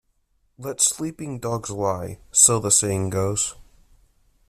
Let sleeping dogs lie, so the saying goes.